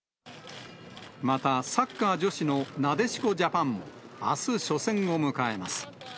またサッカー女子のなでしこジャパンもあす、初戦を迎えます。